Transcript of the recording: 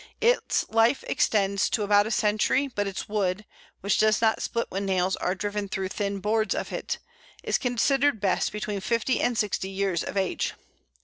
Its life extends to about a century, but its wood which does not split when nails are driven through thin boards of it is considered best between fifty and sixty years of age.